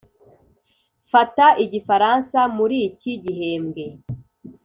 mfata igifaransa muri iki gihembwe.